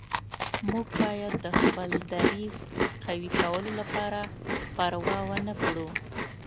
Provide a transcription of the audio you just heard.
موږ باید د خپل دریځ قوي کولو لپاره پروا ونه کړو.